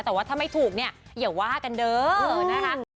แต่ว่าถ้าไม่ถูกเนี่ยอย่าว่ากันเด้อนะคะ